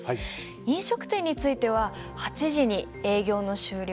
飲食店については８時に営業の終了。